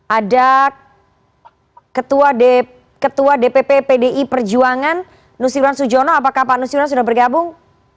ada ketua dpp pdi perjuangan nusirwan sujono apakah pak nusirwan sudah bergabung